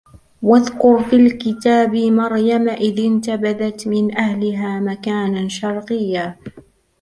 واذكر في الكتاب مريم إذ انتبذت من أهلها مكانا شرقيا